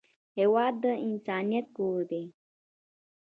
هېواد د انسانیت کور دی.